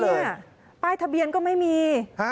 ป้ายทะเบียนก็ไม่มี